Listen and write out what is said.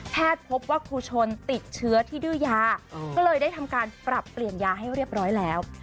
พบว่าครูชนติดเชื้อที่ดื้อยาก็เลยได้ทำการปรับเปลี่ยนยาให้เรียบร้อยแล้ว